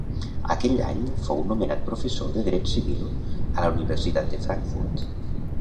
Aquell any fou nomenat professor de dret civil a la Universitat de Frankfurt.